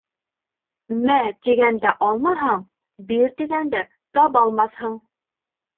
«Мә» тигәндә алмаһаң, «бир» тигәндә табалмаҫһың.